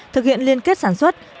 thực hiện liên kết sản xuất